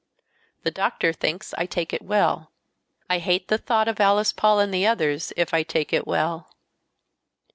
The doctor thinks I take it well. I hate the thought of Alice Paul and the others if I take it well."